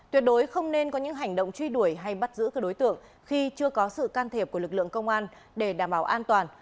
tuyệt đối không nên có những hành động truy đuổi hay bắt giữ các đối tượng khi chưa có sự can thiệp của lực lượng công an để đảm bảo an toàn